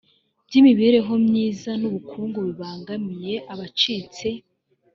by imibereho myiza n ubukungu bibangamiye abacitse